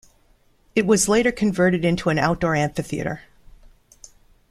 It was later converted into an outdoor amphitheater.